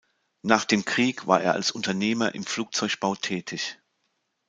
Nach dem Krieg war er als Unternehmer im Flugzeugbau tätig.